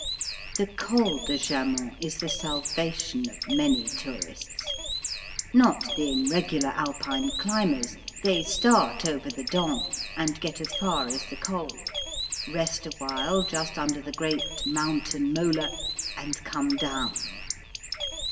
The Col de Jaman is the salvation of many tourists. Not being regular Alpine climbers, they start over the Dent and get as far as the Col, rest awhile just under the great mountain molar, and come down.